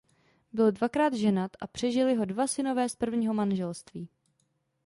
Byl dvakrát ženat a přežili ho dva synové z prvního manželství.